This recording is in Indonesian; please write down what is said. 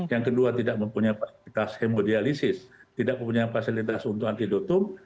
yang kedua tidak mempunyai fasilitas hemodialisis tidak mempunyai fasilitas untuk antidotum